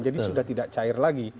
jadi sudah tidak cair lagi